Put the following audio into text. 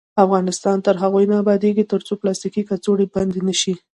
افغانستان تر هغو نه ابادیږي، ترڅو پلاستیکي کڅوړې بندې نشي.